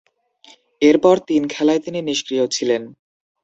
এরপর তিন খেলায় তিনি নিষ্ক্রিয় ছিলেন।